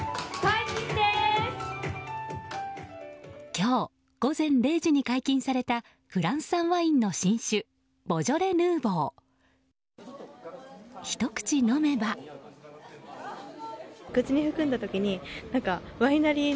今日、午前０時に解禁されたフランス産ワインの新種ボジョレ・ヌーボー。